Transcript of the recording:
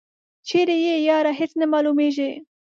چیری یی یاره هیڅ نه معلومیږي.